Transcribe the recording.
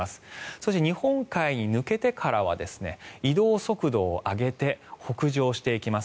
そして日本海に抜けてからは移動速度を上げて北上していきます。